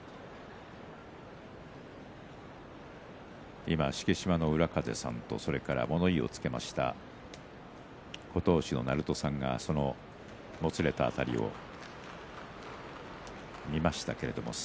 今、敷島の浦風さんと物言いをつけました琴欧洲の鳴戸さんがもつれた辺りを見ました。